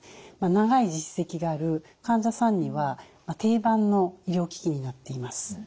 長い実績がある患者さんには定番の医療機器になっています。